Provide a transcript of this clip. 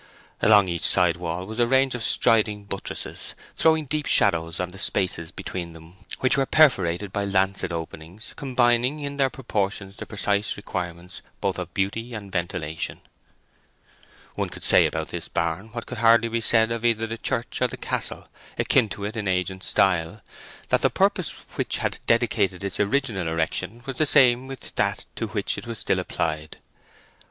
Along each side wall was a range of striding buttresses, throwing deep shadows on the spaces between them, which were perforated by lancet openings, combining in their proportions the precise requirements both of beauty and ventilation. One could say about this barn, what could hardly be said of either the church or the castle, akin to it in age and style, that the purpose which had dictated its original erection was the same with that to which it was still applied.